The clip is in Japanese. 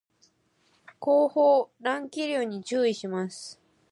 後方乱気流に注意します